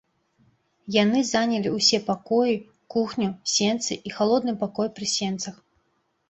Яны занялі ўсе пакоі, кухню, сенцы і халодны пакой пры сенцах.